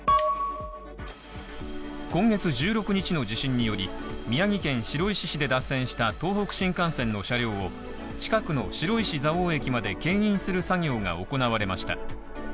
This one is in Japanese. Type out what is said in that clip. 今月１６日の地震により宮城県白石市で脱線した東北新幹線の車両を、近くの白石蔵王駅までけん引する作業後行われました。